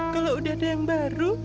kalau udah ada yang baru